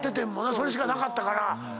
それしかなかったから。